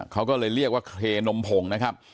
เขาก็เลยเรียกว่าเคนมผงนะครับ